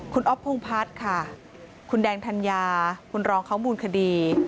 คุณอ๊อฟพงพัฒน์ค่ะคุณแดงธัญญาคุณรองเขามูลคดี